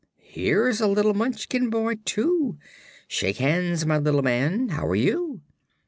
here's a little Munchkin boy, too. Shake hands, my little man. How are you?"